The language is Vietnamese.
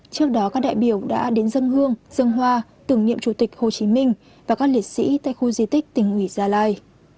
trước đó các đại biểu đã đến dân hương dân hoa tưởng niệm chủ tịch hồ chí minh và các liệt sĩ tại khu di tích tỉnh ủy gia lai